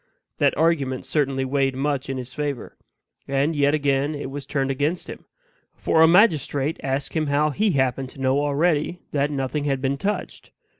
That argument certainly weighed much in his favor. And yet again it was turned against him; for a magistrate asked him how HE happened to know already that nothing had been touched.